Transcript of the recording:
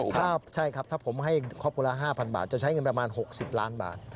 ถ้าผมให้ครอบครัวละ๕๐๐๐บาทจะใช้เงินประมาณ๖๐ล้านบาท